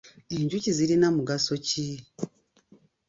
Enjuki zirina mugaso ki?